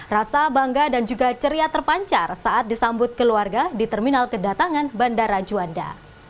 rasa bangga dan juga ceria terpancar saat disambut keluarga di terminal kedatangan bandara juanda